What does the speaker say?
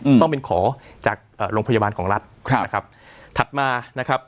ต้องเป็นขอจากเอ่อโรงพยาบาลของรัฐครับนะครับถัดมานะครับ